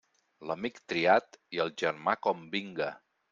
L'amic triat i el germà com vinga.